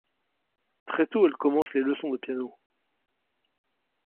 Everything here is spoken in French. Très tôt, elle commence les leçons de piano.